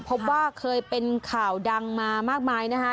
พบว่าเคยเป็นข่าวดังมามากมายนะคะ